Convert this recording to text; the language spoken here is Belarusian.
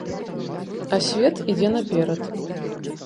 А свет ідзе наперад.